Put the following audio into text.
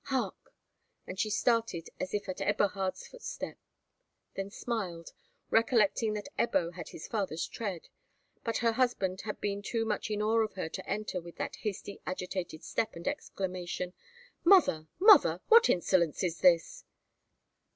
Hark!" and she started as if at Eberhard's foot step; then smiled, recollecting that Ebbo had his father's tread. But her husband had been too much in awe of her to enter with that hasty agitated step and exclamation, "Mother, mother, what insolence is this!"